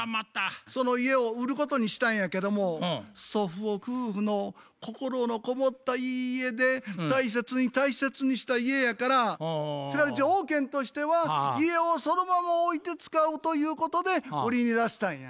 その家を売ることにしたんやけども祖父母夫婦の心のこもったいい家で大切に大切にした家やから条件としては家をそのままおいて使うということで売りに出したんや。